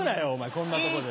こんなとこで。